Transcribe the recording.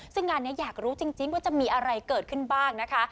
ซึ่งงานนี้อยากรู้จริงว่าจะมีอะไรเกิดขึ้นบ้างนะคะ